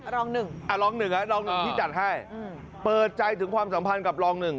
รองหนึ่งรองหนึ่งอ่ะรองหนึ่งที่จัดให้เปิดใจถึงความสัมพันธ์กับรองหนึ่ง